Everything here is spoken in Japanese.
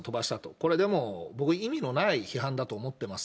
これでも、僕、意味のない批判だと思ってます。